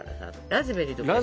ラズベリーとか。